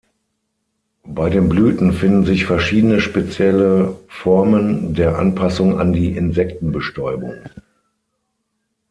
Bei den Blüten finden sich verschiedene spezielle Formen der Anpassung an die Insektenbestäubung.